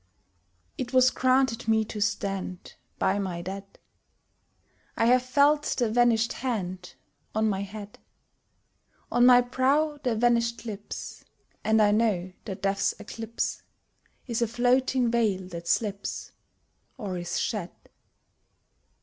It was granted me to stand By my dead. I have felt the vanished hand On my head, On my brow the vanished lips, And I know that Death's eclipse Is a floating veil that slips, Or is shed.